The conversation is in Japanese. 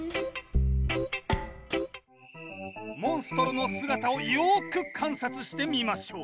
モンストロの姿をよく観察してみましょう。